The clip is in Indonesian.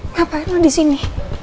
ngapain lo disini